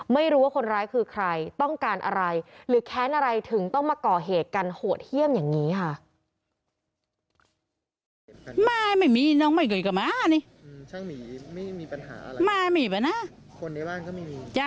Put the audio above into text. ไม่รู้ว่าคนร้ายคือใครต้องการอะไรหรือแค้นอะไรถึงต้องมาก่อเหตุกันโหดเยี่ยมอย่างนี้ค่ะ